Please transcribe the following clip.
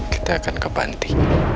kita akan kebanti